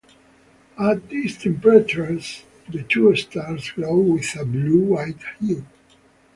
At these temperatures, the two stars glow with a blue-white hue.